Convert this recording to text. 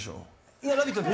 いや「ラヴィット！」です。